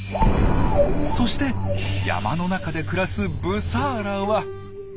そして山の中で暮らすブサーラは。